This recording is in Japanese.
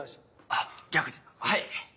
あっ逆ではい。